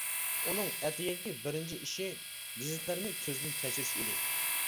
ئۇنىڭ ئەتىگەنكى بىرىنچى ئىشى گېزىتلەرنى كۆزدىن كەچۈرۈش ئىدى.